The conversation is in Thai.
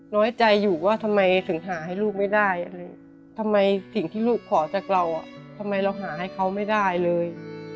น้อยใจอยู่ว่าทำไมถึงหาให้ลูกไม่ได้อะไรทำไมสิ่งที่ลูกขอจากเราทำไมเราหาให้เขาไม่ได้เลย